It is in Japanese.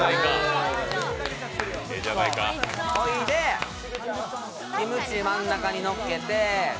そいで、キムチを真ん中にのっけて。